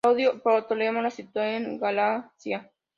Claudio Ptolomeo la sitúa en Galacia.